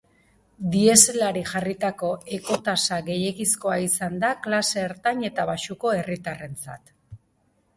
Dieselari jarritako ekotasa gehiegizkoa izan da klase ertain eta baxuko herritarrentzat.